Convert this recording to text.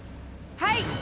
はい。